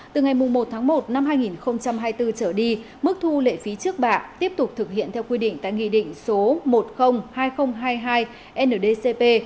từ ngày một một hai nghìn hai mươi bốn trở đi mức thu lệ phí trước bạ tiếp tục thực hiện theo quy định tại nghị định số một mươi hai nghìn hai mươi hai ndcp